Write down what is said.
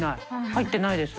入ってないです。